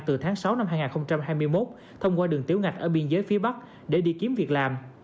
từ tháng sáu năm hai nghìn hai mươi một thông qua đường tiểu ngạch ở biên giới phía bắc để đi kiếm việc làm